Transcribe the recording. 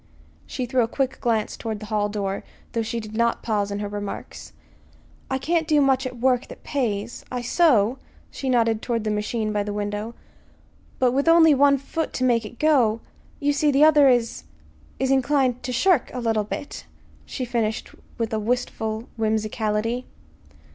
She threw a quick glance toward the hall door, though she did not pause in her remarks. "I can't do much at work that pays. I sew" she nodded toward the machine by the window "but with only one foot to make it go You see, the other is is inclined to shirk a little," she finished with a wistful whimsicality.